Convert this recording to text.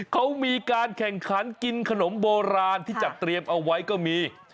เขามีการแข่งขันกินขนมโบราณที่จัดเตรียมเอาไว้ก็มี